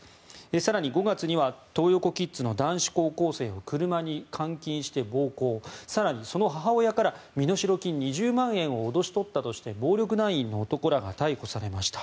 更に５月にはトー横キッズの男子高校生を車に監禁して暴行更にその母親から身代金２０万円を脅し取ったとして暴力団員の男らが逮捕されました。